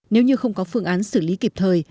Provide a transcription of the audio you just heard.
nếu như không có phương án xử lý kịp thời